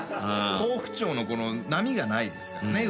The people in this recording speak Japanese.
好不調の波がないですからね